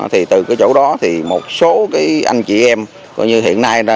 thì từ cái chỗ đó thì một số cái anh chị em